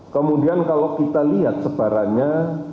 kemudian kalau kita lihat sebarannya